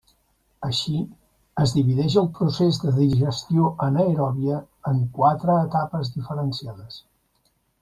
Així, es divideix el procés de digestió anaeròbia en quatre etapes diferenciades.